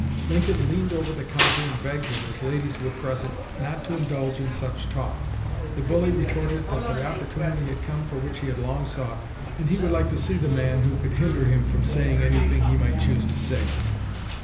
Lincoln leaned over the counter and begged him, as ladies were present, not to indulge in such talk. The bully retorted that the opportunity had come for which he had long sought, and he would like to see the man who could hinder him from saying anything he might choose to say.